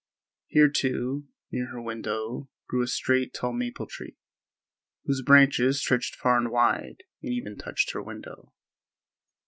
Here, too, near her window grew a straight, tall maple tree, whose branches stretched far and wide and even touched her window.